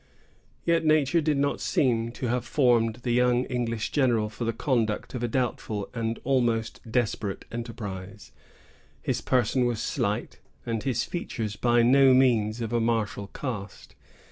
Yet nature did not seem to have formed the young English general for the conduct of a doubtful and almost desperate enterprise. His person was slight, and his features by no means of a martial cast.